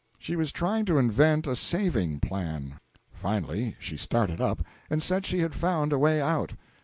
She was trying to invent a saving plan. Finally she started up, and said she had found a way out.